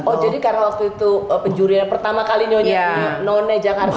oh jadi karena waktu itu penjurian pertama kali nyonya none jakarta